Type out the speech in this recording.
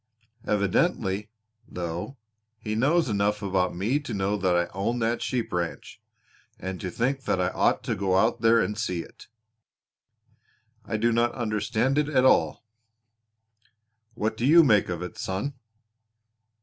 Evidently, though, he knows enough about me to know that I own that sheep ranch, and to think that I ought to go out there and see it. I do not understand it at all. What do you make of it, son?"